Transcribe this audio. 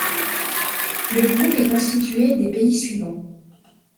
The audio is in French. Le groupe est constitué des pays suivants.